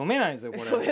これ。